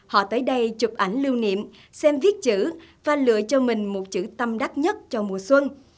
họ tới đây chụp ảnh lưu niệm xem viết chữ và lựa cho mình một chữ tâm đắt nhất cho mùa xuân